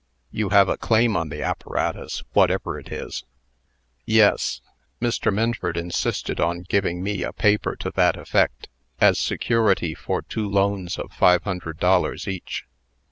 "You have a claim on the apparatus, whatever it is." "Yes. Mr. Minford insisted on giving me a paper to that effect, as security for two loans of five hundred dollars each.